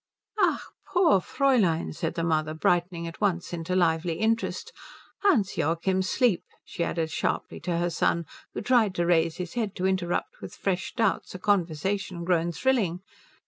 "Ach, poor Fräulein," said the mother, brightening at once into lively interest. "Hans Joachim, sleep," she added sharply to her son, who tried to raise his head to interrupt with fresh doubts a conversation grown thrilling.